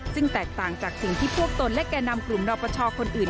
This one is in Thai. ซึ่งแตกต่างจากสิ่งที่พวกตนและแก่นำกลุ่มนปชคนอื่น